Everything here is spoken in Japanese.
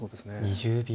２０秒。